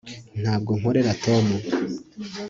ntabwo nkorera tom